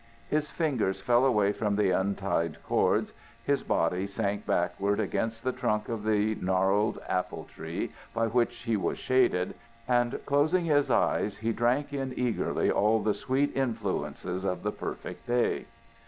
His fingers fell away from the untied cords, his body sank backward against the trunk of the gnarled apple tree by which he was shaded, and closing his eyes, he drank in eagerly all the sweet influences of the perfect day.